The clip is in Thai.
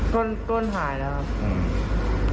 ก้นหายแล้วครับ